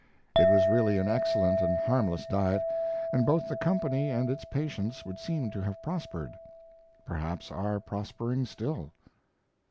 It was really an excellent and harmless diet, and both the company and its patients would seem to have prospered perhaps are prospering still.